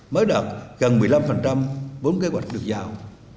mới đạt gần một mươi năm vốn kế hoạch được giao